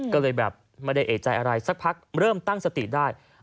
ก็เลยแบบไม่ได้เอกใจอะไรสักพักเริ่มตั้งสติได้